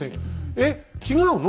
えっ違うの？